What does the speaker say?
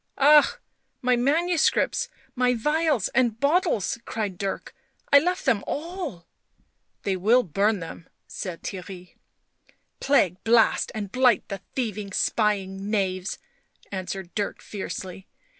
" Ah, my manuscripts, my phials, and bottles !" cried Dirk. " I left them all !"" They will burn them," said Theirry. " Plague blast and blight the thieving, spying knaves !" answered Dick fiercely.